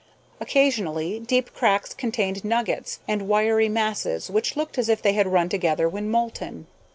Occasionally, deep cracks contained nuggets and wiry masses which looked as if they had run together when molten.